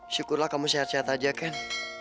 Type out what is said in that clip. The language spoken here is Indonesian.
syukurlah kamu sehat sehat aja kan